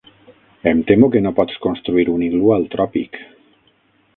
Em temo que no pots construir un iglú al tròpic.